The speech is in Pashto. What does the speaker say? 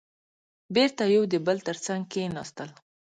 بېرته يو د بل تر څنګ کېناستل.